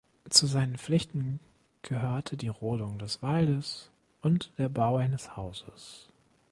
Zu seinen Pflichten gehörte die Rodung des Waldes und der Bau eines Hauses.